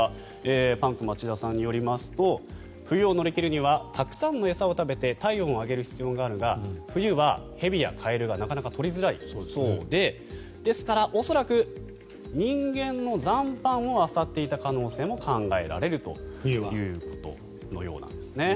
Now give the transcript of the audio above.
パンク町田さんによりますと冬を乗り切るにはたくさんの餌を食べて体温を上げる必要があるが冬は蛇やカエルがなかなか取りづらいそうでですから、恐らく人間の残飯をあさっていた可能性も考えられるということです。